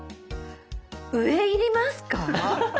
上要りますか？